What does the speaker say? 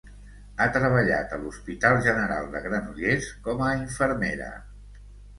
Ha treballat a l'Hospital General de Granollers com a infermera.